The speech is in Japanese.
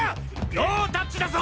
ノータッチだぞ！